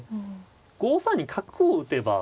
５三に角を打てば。